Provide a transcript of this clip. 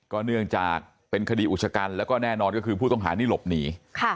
เนื่องจากเป็นคดีอุชกันแล้วก็แน่นอนก็คือผู้ต้องหานี่หลบหนี